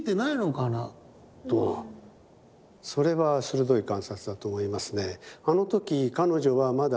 それは鋭い観察だと思いますね。